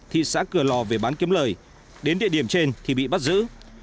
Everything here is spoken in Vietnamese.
thị xã cửa lò về bán kiếm lời đến địa điểm trên thì bị bắt giữ